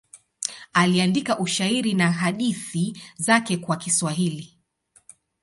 Aliandika ushairi na hadithi zake kwa Kiswahili.